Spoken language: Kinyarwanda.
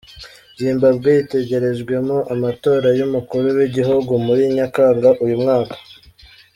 Zimbabwe itegerejwemo amatora y’Umukuru w’Igihugu muri Nyakanga uyu mwaka.